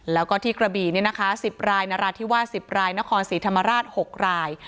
แล้วก็ที่กระบี่๑๐รายนราธิวาส๑๐รายนครศรีธรรมราช๖ราย